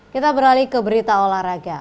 kita beralih ke berita olahraga